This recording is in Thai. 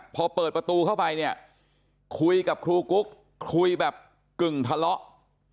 พอเปิดประตูเข้าไปเนี่ยคุยกับครูกุ๊กคุยแบบกึ่งทะเลาะ